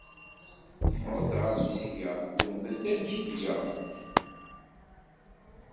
Teffeɣ-d ɣer tesga, wehment amek tga.